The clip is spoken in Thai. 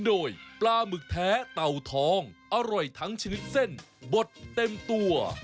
โดยปลาหมึกแท้เต่าทองอร่อยทั้งชนิดเส้นบดเต็มตัว